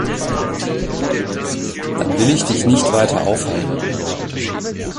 Dann will ich dich nicht weiter aufhalten.